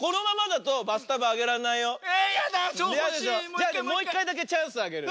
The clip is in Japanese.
じゃあねもういっかいだけチャンスあげる。